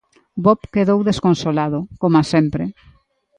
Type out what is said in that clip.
Bob quedou desconsolado, coma sempre.